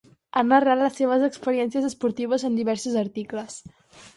Ha narrat les seves experiències esportives en diversos articles.